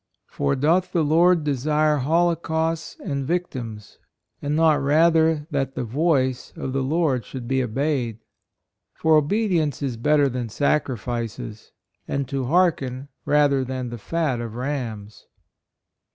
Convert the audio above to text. " For doth the Lord desire holocausts and victims, and not rather that the voice of the Lord should be obeyed. For obe dience is better than sacrifices, and to hearken rather than the fat of rams."